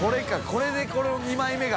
これでこの２枚目が。